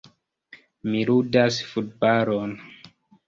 Mi ludas futbalon.